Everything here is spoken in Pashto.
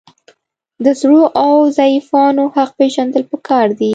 د زړو او ضعیفانو حق پیژندل پکار دي.